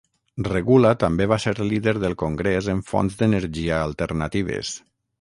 Regula també va ser líder del Congrés en fonts d'energia alternatives.